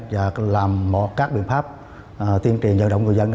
và làm các biện pháp tiêm triền dự động người dân